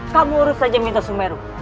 kamu urus saja minto sumeru